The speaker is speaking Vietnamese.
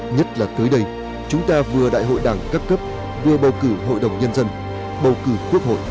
nhất là tới đây chúng ta vừa đại hội đảng các cấp vừa bầu cử hội đồng nhân dân bầu cử quốc hội